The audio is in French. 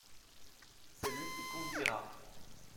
C’est lui qui conduira.